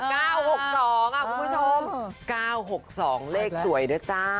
คุณผู้ชม๙๖๒เลขสวยด้วยจ้า